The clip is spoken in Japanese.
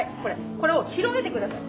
これを広げて下さい。